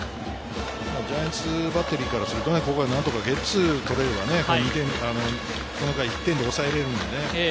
ジャイアンツバッテリーからすると、ここは何とかゲッツーを取れればこの回１点でおさえれるのでね。